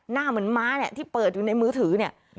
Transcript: หน้าเหมือนม้าเนี่ยที่เปิดอยู่ในมือถือเนี่ย